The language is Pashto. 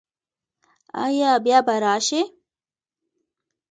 ایا بیا به راشئ؟